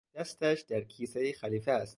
دستش در کیسهٔ خلیفه است.